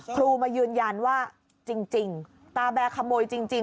ครูมายืนยันว่าจริงตาแบร์ขโมยจริง